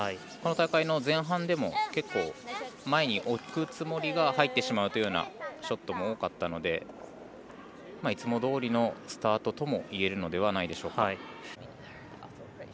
この戦いの前半でも結構前に置くつもりが入ってしまうというようなショットも多かったのでいつもどおりのスタートともいえるのではないでしょうか。